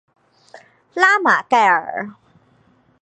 拉马盖尔。